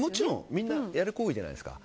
みんな、やる行為じゃないですか。